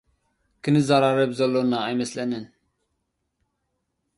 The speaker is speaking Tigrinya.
ክንዛራረብ ዘሎና ኣይመስለንን።